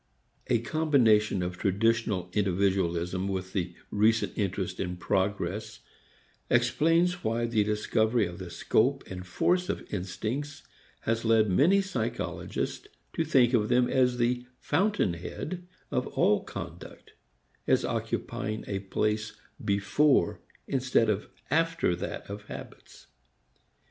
A combination of traditional individualism with the recent interest in progress explains why the discovery of the scope and force of instincts has led many psychologists to think of them as the fountain head of all conduct, as occupying a place before instead of after that of habits.